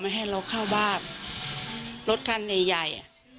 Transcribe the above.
ไม่ให้เราเข้าบ้านรถคันใหญ่